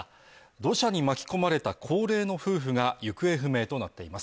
土砂に巻き込まれた高齢の夫婦が行方不明となっています。